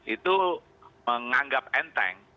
itu menganggap enteng